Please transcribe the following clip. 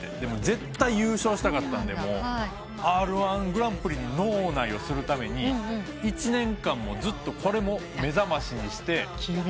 絶対優勝したかったんでＲ−１グランプリに脳内をするために一年間ずっとこれも目覚ましにして。